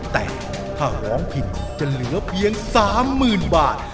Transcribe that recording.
แต่ถ้าร้องผิดจะเหลือเพียง๓๐๐๐บาท